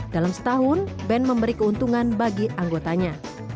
dalam setahun ben memberi keuntungan bagi anggotanya